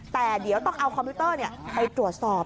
แต่เดี๋ยวต้องเอาคอมพิวเตอร์ไปตรวจสอบ